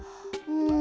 うん。